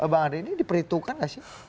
pak andre ini diperhitungkan gak sih